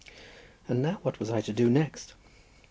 And now what was I to do next?